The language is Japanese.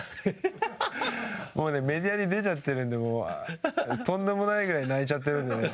僕、メディアに出ちゃってるのでもうとんでもないぐらい泣いちゃってるんでね。